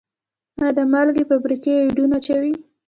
آیا د مالګې فابریکې ایوډین اچوي؟